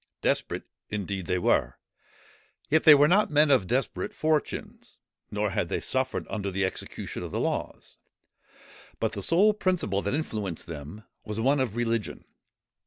Desperate, indeed, they were; yet they were not men of desperate fortunes; nor had they suffered under the execution of the laws; but the sole principle that influenced them was one of religion.